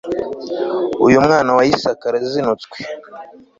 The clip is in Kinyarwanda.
uyu mwana wa isaka arazinutswe